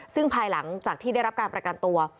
ซึ่งภายหลังจากที่ได้รับการประกันตัว